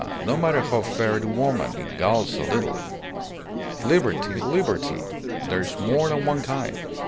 No matter how fair the woman, it galls a little. Liberty, liberty. There's more than one kind!